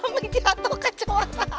amin jatuh kecoh